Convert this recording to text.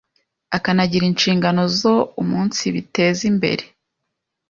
akanagira inshingano zo umunsibiteza imbere